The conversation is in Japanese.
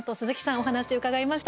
お話伺いました。